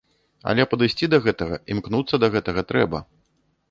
Але падысці да гэтага, імкнуцца да гэтага трэба.